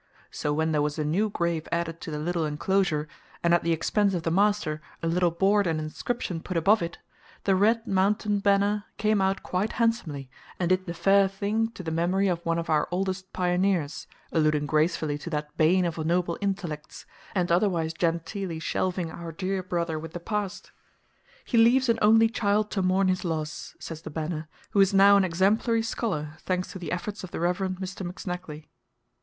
So when there was a new grave added to the little enclosure, and at the expense of the master a little board and inscription put above it, the RED MOUNTAIN BANNER came out quite handsomely, and did the fair thing to the memory of one of "our oldest Pioneers," alluding gracefully to that "bane of noble intellects," and otherwise genteelly shelving our dear brother with the past. "He leaves an only child to mourn his loss," says the BANNER, "who is now an exemplary scholar, thanks to the efforts of the Rev. Mr. McSnagley."